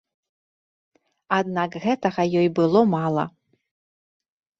Аднак гэтага ёй было мала.